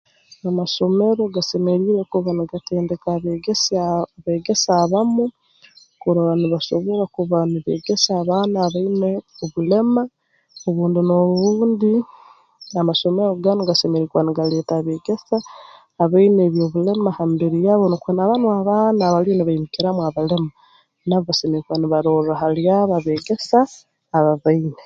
Amasomero gasemeriire kuba nigatendeka abeegesa beegesa abamu kurora nibasobora kuba nibeegesa abaana abaine obulema obundi n'obundi amasomero ganu gasemeriire kuba nigaleeta abeegesa abaine eby'obulema ha mibiri yabo nukwe n'abanu abaana abaliyo nibaimukiramu abalema nabo basemeriire kuba nibarorra hali abo abeegesa aba baine